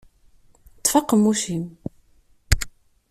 Ṭṭef aqemmuc-im!